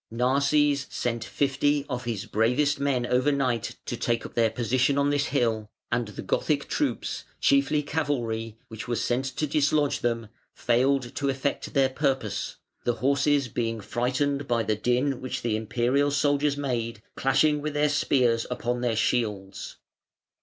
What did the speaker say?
Narses sent fifty of his bravest men over night to take up their position on this hill, and the Gothic troops, chiefly cavalry, which were sent to dislodge them, failed to effect their purpose, the horses being frightened by the din which the Imperial soldiers made, clashing with their spears upon their shields.